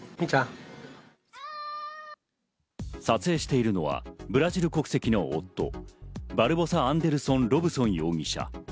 撮影しているのはブラジル国籍の夫、バルボサ・アンデルソン・ロブソン容疑者。